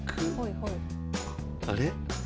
あれ？